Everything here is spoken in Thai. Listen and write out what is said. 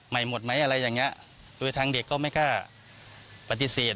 หมดไหมอะไรอย่างเงี้ยโดยทางเด็กก็ไม่กล้าปฏิเสธ